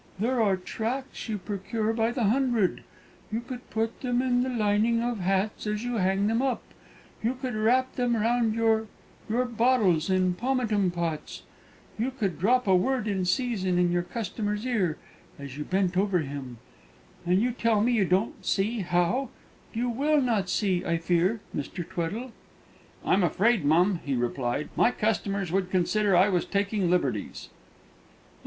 There are tracts you procure by the hundred; you could put them in the lining of hats as you hang them up; you could wrap them round your your bottles and pomatum pots. You could drop a word in season in your customer's ear as you bent over him. And you tell me you don't see how; you will not see, I fear, Mr. Tweddle." "I'm afraid, mum," he replied, "my customers would consider I was taking liberties."